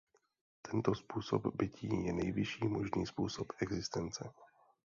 Tento způsob bytí je nejvyšší možný způsob existence.